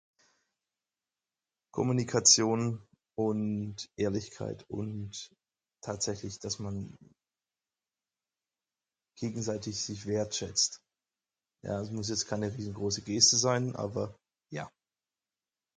Kommunikation und Ehrlichkeit und tatsächlich das man ... gegenseitig sich wertschätzt. Ja es muss jetzt keine riesengroße Geste sein aber Ja.